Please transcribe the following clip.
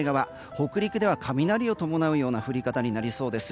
北陸では雷を伴うような降り方になりそうです。